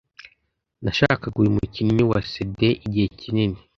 Nashakaga uyu mukinnyi wa CD igihe kinini.